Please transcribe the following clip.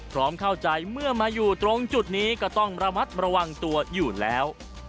พร้อมเข้าใจเมื่อมาอยู่ตรงจุดนี้ก็ต้องระมัดระวังตัวอยู่แล้ว